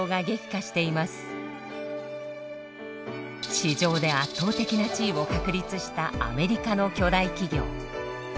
市場で圧倒的な地位を確立したアメリカの巨大企業。